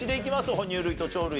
ほ乳類と鳥類と。